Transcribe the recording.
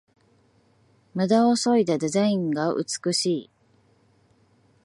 ムダをそいだデザインが美しい